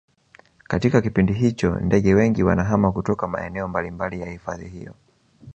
katika kipindi hicho ndege wengi wanahama kutoka maeneo mbalimbali ya hifadhi hiyo